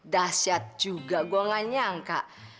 dahsyat juga gue gak nyangka